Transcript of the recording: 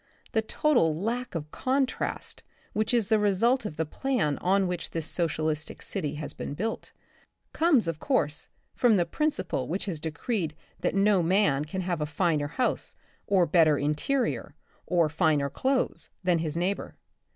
The total lack of contrast which is the result of the plan on which this socialistic city has been built, comes, of course, from the principle which has decreed that no man can have any finer house or better interior, or finer clothes than his neighbor.